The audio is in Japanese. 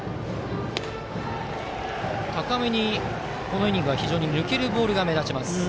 高めに、このイニングは非常に抜けるボールが目立ちます。